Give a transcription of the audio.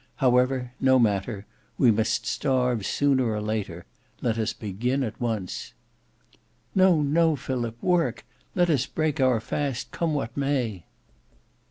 However, no matter; we must starve sooner or later. Let us begin at once." "No, no, Philip! work. Let us break our fast come what may."